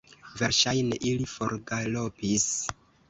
Verŝajne, ili forgalopis!